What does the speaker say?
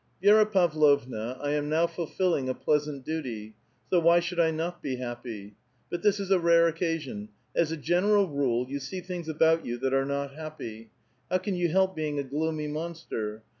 '• Vi6ra Pavlovna, I am now fulfilling a pleasant duty ; so why should I not be happy? But this is a rare occasion. As a general rule, you see things about you that are not happj . How can >'Ou help being a gloomy monster?